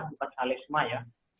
bukan alisma ya